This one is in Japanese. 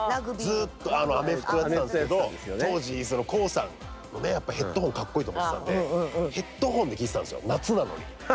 ずっとアメフトやってたんですけど当時ＫＯＯさんのねやっぱヘッドホンかっこいいと思ってたんでヘッドホンで聴いてたんすよ夏なのに。